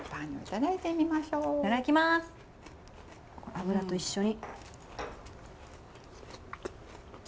脂と一緒に。